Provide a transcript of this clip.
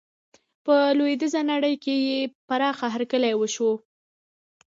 په لویدیزه نړۍ کې یې پراخه هرکلی وشو.